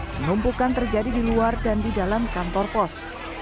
penumpukan terjadi di luar dan di dalam kantor pos